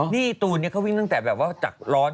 นี่ตูนเขาวิ่งตั้งแต่แบบว่าจากร้อน